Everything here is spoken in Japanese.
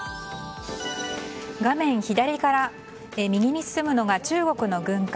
画面左から右に進むのが中国の軍艦。